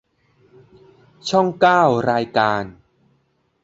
ช่องเก้า รายการ